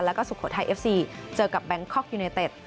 แล้วก็สุโขทัยเอฟซีเจอกับแบงคอกยูเนเต็ด